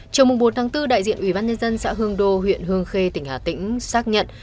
trong mùng bốn tháng bốn đại diện ủy ban nhân dân xã hương đô huyện hương khê tỉnh hà tĩnh xác nhận